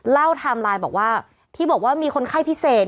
ไทม์ไลน์บอกว่าที่บอกว่ามีคนไข้พิเศษ